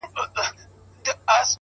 اوس مي حافظه ډيره قوي گلي؛